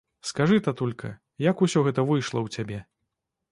Скажы, татулька, як усё гэта выйшла ў цябе?